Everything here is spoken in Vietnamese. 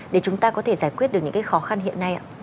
để chúng ta có thể giải quyết được những cái khó khăn hiện nay ạ